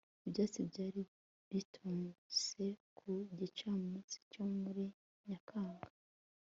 ibyatsi byari bitose ku gicamunsi cyo muri nyakanga